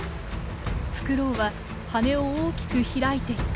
フクロウは羽を大きく開いて威嚇。